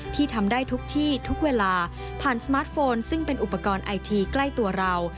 ทำได้ทุกที่ทุกเวลาผ่านสมาร์ทโฟนซึ่งเป็นอุปกรณ์ไอทีใกล้ตัวเรา